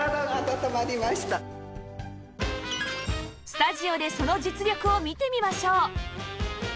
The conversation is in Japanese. スタジオでその実力を見てみましょう